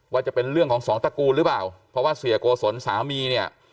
จะเป็นเรื่องของสองตระกูลหรือเปล่าเพราะว่าเสียโกศลสามีเนี่ย